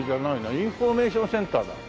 インフォメーションセンターだ。